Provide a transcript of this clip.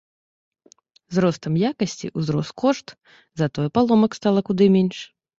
З ростам якасці узрос кошт, затое паломак стала куды менш.